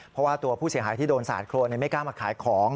เพราะว่าตัวผู้เสียหายที่โดนสาดโครนไม่กล้ามาขายของ